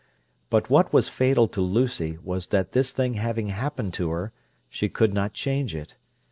But what was fatal to Lucy was that this thing having happened to her, she could not change it.